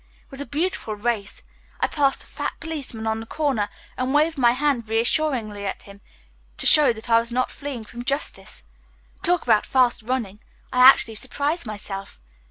It was a beautiful race. I passed a fat policeman on the corner, and waved my hand reassuringly at him merely to show that I was not fleeing from Justice. Talk about fast running! I actually surprised myself.